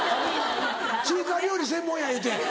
中華料理専門やいうて。